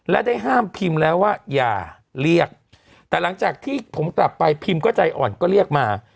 และได้ห้ามพิมพ์แล้วว่าอย่าเรียกแต่หลังจากที่ผมกลับไปพิมพ์ก็ใจอ่อนก็เรียกมา